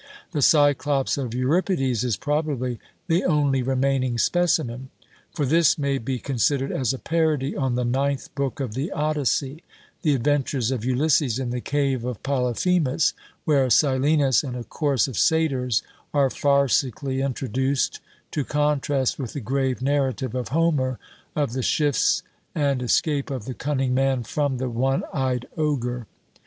The Cyclops of Euripides is probably the only remaining specimen; for this may be considered as a parody on the ninth book of the Odyssey the adventures of Ulysses in the cave of Polyphemus, where Silenus and a chorus of satyrs are farcically introduced, to contrast with the grave narrative of Homer, of the shifts and escape of the cunning man "from the one eyed ogre."